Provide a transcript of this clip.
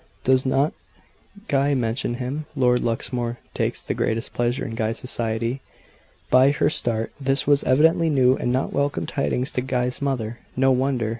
Does not Guy mention him? Lord Luxmore takes the greatest pleasure in Guy's society." By her start, this was evidently new and not welcome tidings to Guy's mother. No wonder.